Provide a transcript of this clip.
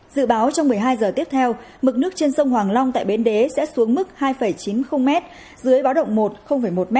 dự báo trong một mươi hai h tiếp theo mực nước trên sông hoàng long tại bến đế sẽ xuống mức hai chín mươi m dưới báo động một một m